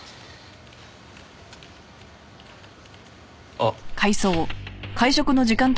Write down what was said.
あっ！